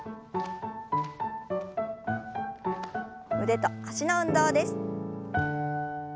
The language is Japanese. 腕と脚の運動です。